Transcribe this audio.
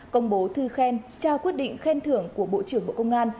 công bố thư khen trao quyết định khen thưởng của bộ trưởng bộ công an